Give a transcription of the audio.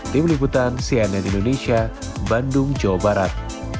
di meliputan cnn indonesia bandung jawa barat